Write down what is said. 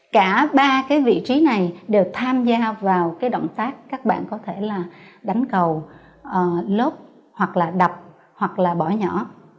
cả ba vị trí này đều tham gia vào động tác các bạn có thể là đánh cầu lốt đập hoặc bỏ nhỏ